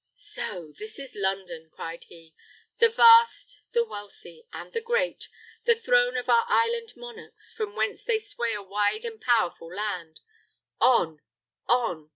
"So this is London!" cried he; "the vast, the wealthy, and the great; the throne of our island monarchs, from whence they sway a wide and powerful land. On! on!"